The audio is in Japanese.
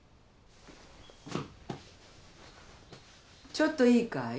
・ちょっといいかい？